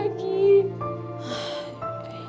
aku tuh sendirian